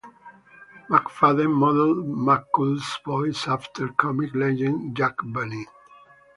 McFadden modeled McCool's voice after comic legend Jack Benny.